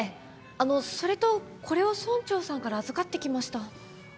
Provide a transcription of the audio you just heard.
あのそれとこれを村長さんから預かってきました。